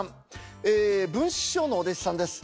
ええ文枝師匠のお弟子さんです。